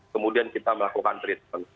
kemudian kita melakukan treatment